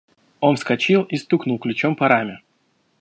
– Он вскочил и стукнул ключом по раме.